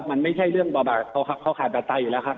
มันไม่ใช่เรื่องบ่าบ่าเขาขาดตัดตายอยู่แล้วค่ะ